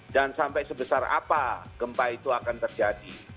dan sampai sebesar apa gempa itu akan terjadi